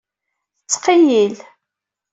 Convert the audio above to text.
Tettqeyyil.